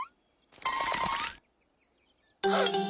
はっ！